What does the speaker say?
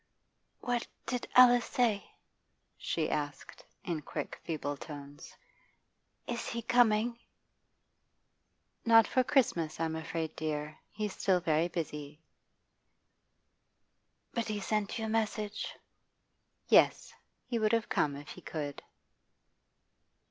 'What did Alice say?' she asked, in quick feeble tones. 'Is he coming?' 'Not for Christmas, I'm afraid, dear. He's still very busy.' 'But he sent you a message?' 'Yes. He would have come if he could.